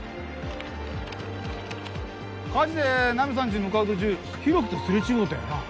火事でナミさんちに向かう途中浩喜とすれ違うたよな？